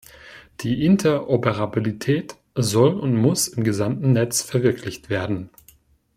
Die Interoperabilität soll und muss im gesamten Netz verwirklicht werden.